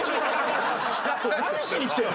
何しに来てんだ？